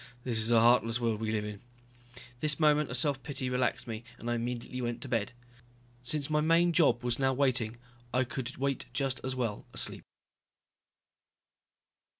This is a heartless world we live in. This moment of self pity relaxed me and I immediately went to bed. Since my main job now was waiting, I could wait just as well asleep.